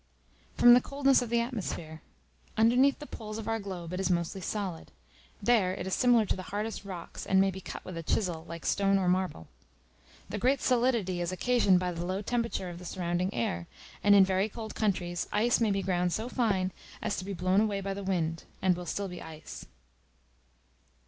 From the coldness of the atmosphere: underneath the poles of our globe it is mostly solid; there it is similar to the hardest rocks, and may be cut with a chisel, like stone or marble. This great solidity is occasioned by the low temperature of the surrounding air; and in very cold countries ice may be ground so fine as to be blown away by the wind, and will still be ice.